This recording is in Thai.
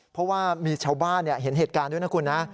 เพราะว่ามีชาวบ้านเห็นเหตุการณ์ด้วยนะคุณนะ